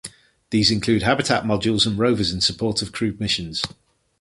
These include habitat modules and rovers in support of crewed missions.